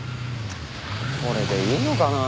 これでいいのかなあ？